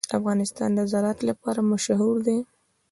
افغانستان د زراعت لپاره مشهور دی.